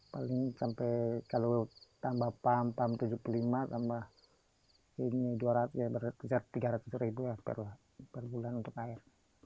paling sampai kalau tambah pump pump rp tujuh puluh lima tambah tiga ratus per bulan untuk air